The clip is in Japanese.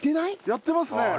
やってますね！